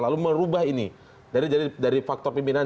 lalu merubah ini dari faktor pimpinan